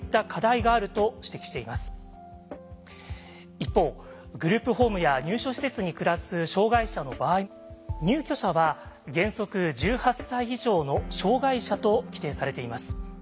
一方グループホームや入所施設に暮らす障害者の場合入居者は「原則１８歳以上の障害者」と規定されています。